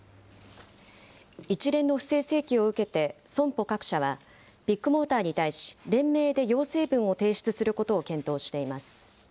一連の不正請求を受けて、損保各社はビッグモーターに対し、連名で要請文を提出することを検討しています。